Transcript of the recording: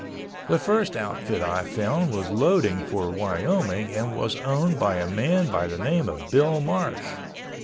The first outfit I found was loading for Wyoming and was owned by a man by the name of Bill Marsh.